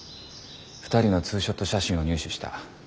２人のツーショット写真を入手した。